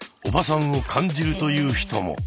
「おばさん」を感じるという人も。